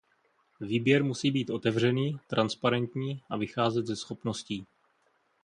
Výběr musí být otevřený, transparentní a vycházet ze schopností.